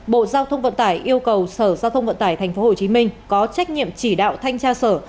bộ giao thông vận tải yêu cầu sở giao thông vận tải tp hcm có trách nhiệm chỉ đạo thanh tra sở